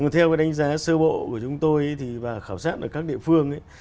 theo cái đánh giá sơ bộ của chúng tôi và khảo sát ở các địa phương ấy